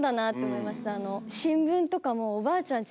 新聞とかもおばあちゃん